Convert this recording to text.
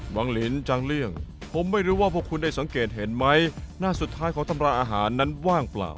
ลินจังเลี่ยงผมไม่รู้ว่าพวกคุณได้สังเกตเห็นไหมหน้าสุดท้ายของตำราอาหารนั้นว่างเปล่า